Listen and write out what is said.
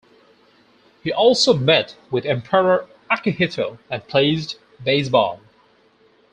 He also met with Emperor Akihito and played baseball.